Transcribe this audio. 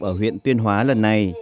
ở huyện tuyên hóa lần này